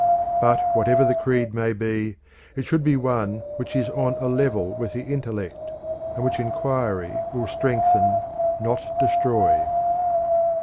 But whatever the creed may be, it should be one which is on a level with the intellect, and which inquiry will strengthen not destroy.